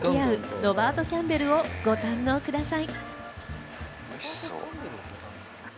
ロバート・キャンベルをご堪能ください。